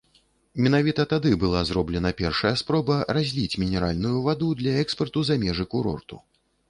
Менавіта тады была зроблена першая спроба разліць мінеральную ваду для экспарту за межы курорту.